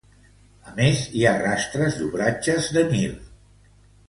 A més, hi ha rastres d'obratges d'anyil.